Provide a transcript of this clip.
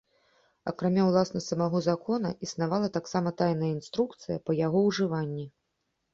Акрамя ўласна самога закона існавала таксама тайная інструкцыя па яго ўжыванні.